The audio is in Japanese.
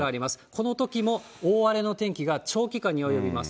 このときも大荒れの天気が長期間に及びます。